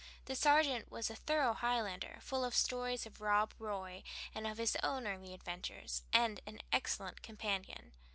The sergeant was a thorough Highlander, full of stories of Rob Roy and of his own early adventures, and an excellent companion.